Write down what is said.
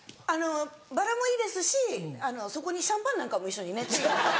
バラもいいですしそこにシャンパンなんかも一緒にね。